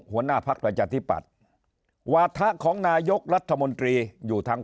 หัวหน้าพักประชาธิปัตย์วาถะของนายกรัฐมนตรีอยู่ทาง